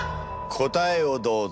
答えをどうぞ。